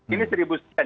ini seribu sekian